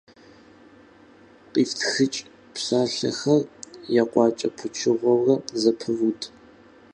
КъифтхыкӀ, псалъэхэр екъуакӀэ пычыгъуэурэ зэпывуд.